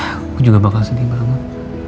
aku juga bakal sedih banget